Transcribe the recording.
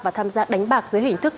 và tham gia đánh bạc dưới hình thức